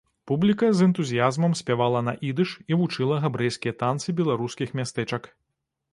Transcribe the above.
Публіка з энтузіязмам спявала на ідыш і вучыла габрэйскія танцы беларускіх мястэчак.